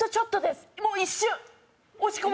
もう一瞬！